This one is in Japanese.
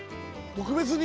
特別に？